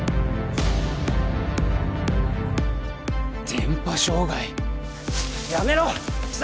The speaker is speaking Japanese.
電波障害やめろ貴様